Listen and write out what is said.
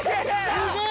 すごい！